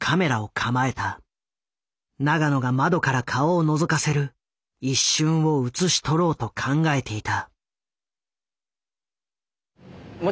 永野が窓から顔をのぞかせる一瞬を写し取ろうと考えていた。